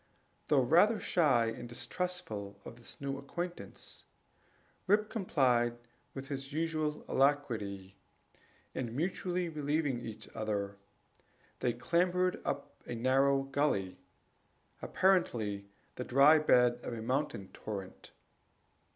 Though rather shy and distrustful of this new acquaintance, Rip complied with his usual alacrity; and mutually relieving one another, they clambered up a narrow gully, apparently the dry bed of a mountain torrent.